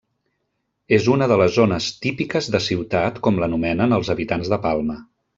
És una de les zones típiques de Ciutat com l'anomenen els habitants de Palma.